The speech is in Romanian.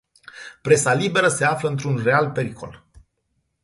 Presa liberă se află într-un real pericol.